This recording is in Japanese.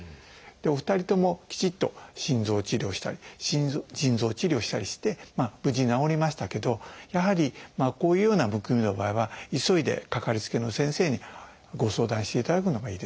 お二人ともきちっと心臓を治療したり腎臓を治療したりして無事治りましたけどやはりこういうようなむくみの場合は急いでかかりつけの先生にご相談していただくのがいいですね。